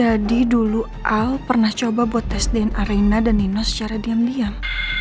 jadi dulu al pernah coba buat tes dna reina dan nino secara diam diam